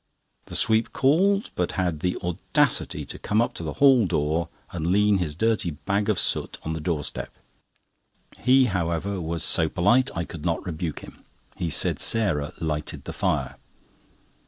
The sweep called, but had the audacity to come up to the hall door and lean his dirty bag of soot on the door step. He, however, was so polite, I could not rebuke him. He said Sarah lighted the fire.